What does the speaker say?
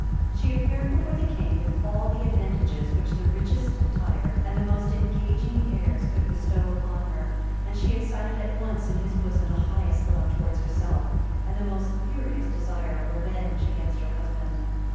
She appeared before the king with all the advantages which the richest attire, and the most engaging airs, could bestow upon her, and she excited at once in his bosom the highest love towards herself, and the most furious desire of revenge against her husband.